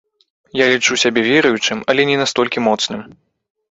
Я лічу сябе веруючым, але не настолькі моцным.